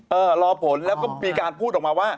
รอผลแล้วก็มีการพูดออกมาว่า